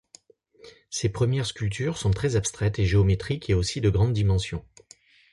Ses premières sculptures sont très abstraites et géométriques et aussi de grandes dimensions.